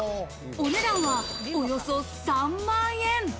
お値段はおよそ３万円。